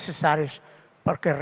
agar itu bisa diatur